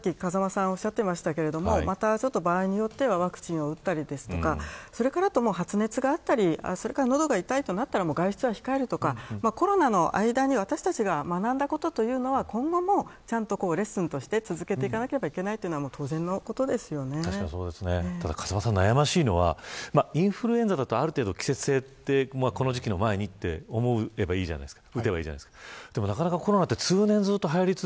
そうだと思うんですけどさっき風間さんがおっしゃってましたけど場合によってはワクチンを打ったりですとか発熱があったり喉が痛いとなったら外出は控えるとかコロナの間に私たちが学んだことというのは今後もレッスンとして続けていかなければいけない風間さん、悩ましいのはインフルエンザだとある程度、季節性とこの時期の前にと思えばいいじゃないですか。